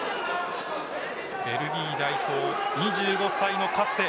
ベルギー代表、２５歳のカッセ。